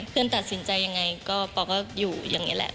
เพื่อนตัดสินใจอย่างไรก็ปอล์ก็อยู่อย่างนี้แหละ